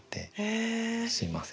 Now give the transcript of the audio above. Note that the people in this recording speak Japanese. すみません。